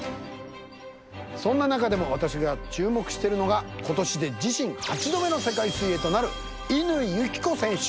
そんな中でも私が注目してるのが今年で自身８度目の世界水泳となる乾友紀子選手。